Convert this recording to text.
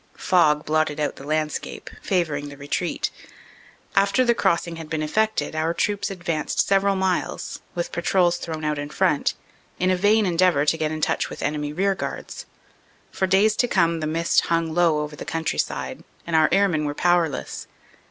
Fog blotted out the landscape, favoring the retreat. After the crossing had been effected, our troops advanced several miles, with patrols thrown out in front, in a vain endeavor to get in touch with enemy rearguards. For days to come the mist hung low over the countryside, and our airmen were powerless.